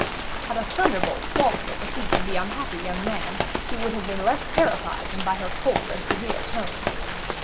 Had a thunderbolt fallen at the feet of the unhappy young man, he would have been less terrified than by her cold and severe tone.